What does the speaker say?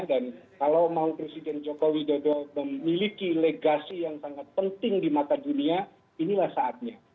dan kalau mau presiden jokowi dodo memiliki legasi yang sangat penting di mata dunia inilah saatnya